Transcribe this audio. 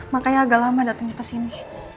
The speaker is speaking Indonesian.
makanya agak lama datangnya kesini